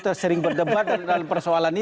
tersering berdebat dalam persoalan ini